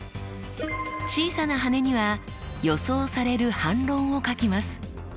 小さな羽には予想される反論を書きます。